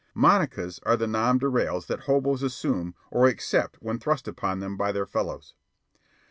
"Monicas" are the nom de rails that hoboes assume or accept when thrust upon them by their fellows.